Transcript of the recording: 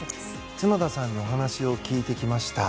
角田さんにお話を聞いてきました。